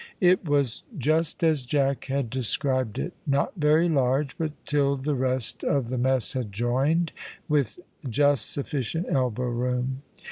It was just as Jack had described it; not very large, but, till the rest of the mess had joined, with just sufficient elbow room.